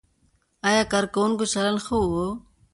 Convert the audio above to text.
ایا کارکوونکو چلند ښه و؟